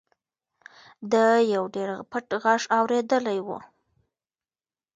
ده یو ډېر پټ غږ اورېدلی و.